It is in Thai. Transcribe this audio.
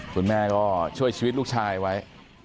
คุณแม่ก็ช่วยชีวิตลูกชายไว้